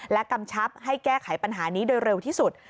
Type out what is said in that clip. และกำชับให้แก้ไขปัญหานี้โดยเร็วที่สุด